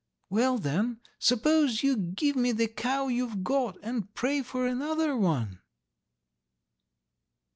"Well, then, suppose you give me the cow you've got and pray for another one."